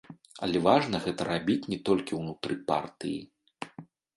Але важна гэта рабіць не толькі ўнутры партыі.